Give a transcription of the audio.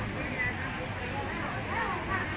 ทุกวันใหม่ทุกวันใหม่